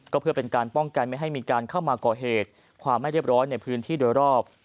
ก็เพื่อเป็นการป้องกันไม่ให้มีการเข้ามาก่อเหตุความไม่เรียบร้อยในพื้นที่โดยรอบ